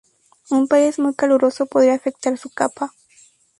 Un país muy caluroso podría afectar su capa.